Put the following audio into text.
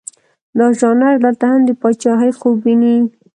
دا ژانر دلته هم د پاچهي خوب ویني.